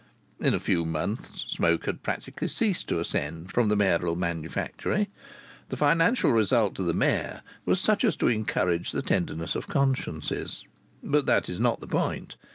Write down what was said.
In a few months smoke had practically ceased to ascend from the mayoral manufactory. The financial result to the mayor was such as to encourage the tenderness of consciences. But that is not the point.